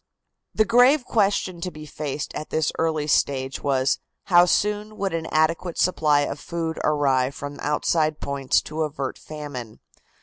The grave question to be faced at this early stage was: How soon would an adequate supply of food arrive from outside points to avert famine?